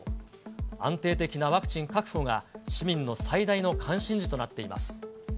安定的なワクチン確保が、市民の最大の関心事となっています。